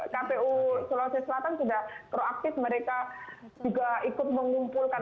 kpu sulawesi selatan sudah proaktif mereka juga ikut mengumpulkan